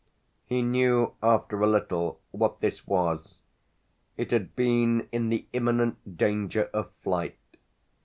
He knew after a little what this was it had been in the imminent danger of flight.